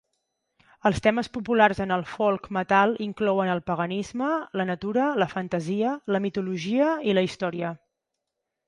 Els temes populars en el folk metal inclouen el paganisme, la natura, la fantasia, la mitologia i la història.